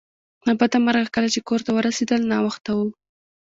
له بده مرغه کله چې کور ته ورسیدل ناوخته و